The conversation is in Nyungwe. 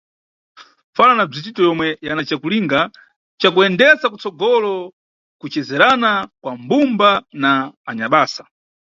Fala na Bzicito yomwe yana cakulinga ca kuyendesa kutsogolo kucezerana kwa mbumba na anyabasa.